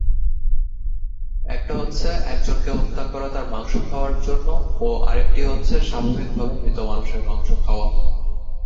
একটা হচ্ছে একজনকে হত্যা করা তার মাংস খাওয়ার জন্য ও আরেকটি হচ্ছে স্বাভাবিকভাবে মৃত মানুষের মাংস খাওয়া।